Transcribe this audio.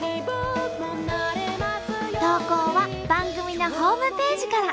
投稿は番組のホームページから。